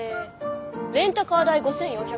レンタカー代５，４００円